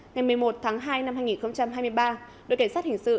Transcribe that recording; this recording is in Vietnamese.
ngày một mươi một tháng hai năm hai nghìn hai mươi ba đội cảnh sát hình sự